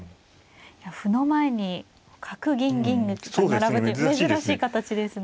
いや歩の前に角銀銀が並ぶという珍しい形ですね。